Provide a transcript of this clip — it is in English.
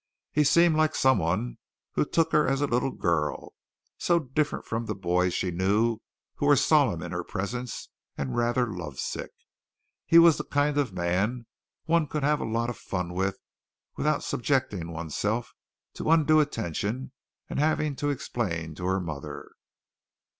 He seemed like someone who took her as a little girl, so different from the boys she knew who were solemn in her presence and rather love sick. He was the kind of man one could have lots of fun with without subjecting one's self to undue attention and having to explain to her mother.